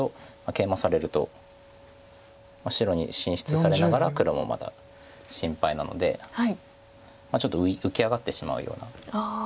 ケイマされると白に進出されながら黒もまだ心配なのでちょっと浮き上がってしまうような。